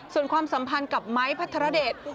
ส่วนความสัมพันธ์กับไม้พัทรเดช